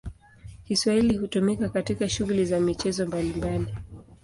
Kiswahili hutumika katika shughuli za michezo mbalimbali.